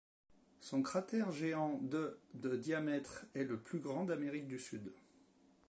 Son cratère géant de de diamètre est le plus grand d'Amérique du Sud.